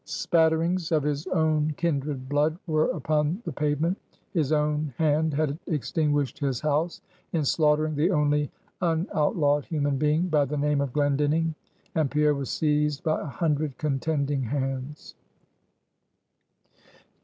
Spatterings of his own kindred blood were upon the pavement; his own hand had extinguished his house in slaughtering the only unoutlawed human being by the name of Glendinning; and Pierre was seized by a hundred contending hands.